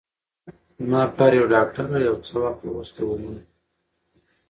زما پلار یو ډاکټر و، او یو څه وخت وروسته ومړ.